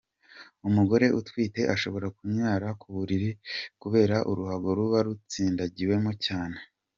Umugore utwite ashobora kunyara ku buriri kubera uruhago ruba rutsindagiwe cyane.